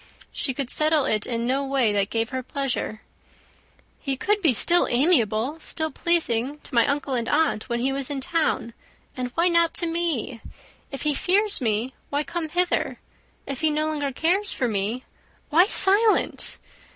She could settle it in no way that gave her pleasure. "He could be still amiable, still pleasing to my uncle and aunt, when he was in town; and why not to me? If he fears me, why come hither? If he no longer cares for me, why silent?